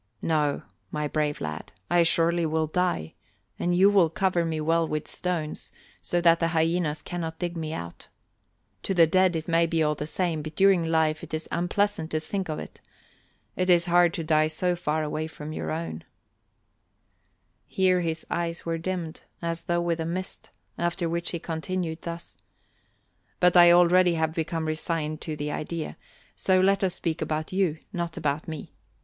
"No, my brave lad, I surely will die and you will cover me well with stones, so that the hyenas cannot dig me out. To the dead it may be all the same, but during life it is unpleasant to think of it. It is hard to die so far away from your own " Here his eyes were dimmed as though with a mist, after which he continued thus: "But I already have become resigned to the idea so let us speak about you, not about me.